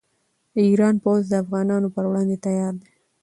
د ایران پوځ د افغانانو پر وړاندې تیار دی.